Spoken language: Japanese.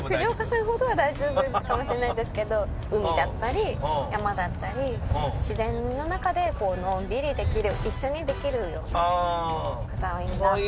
藤岡さんほどは大丈夫かもしれないですけど海だったり山だったり自然の中でのんびりできる一緒にできるような。